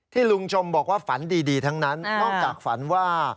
ลุงชมบอกว่าฝันดีทั้งนั้นนอกจากฝันว่า